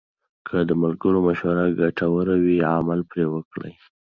که د ملګرو مشوره ګټوره وي، عمل پرې وکړئ.